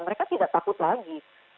mereka tidak takut lagi